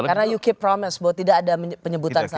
karena you keep promise bahwa tidak ada penyebutan sama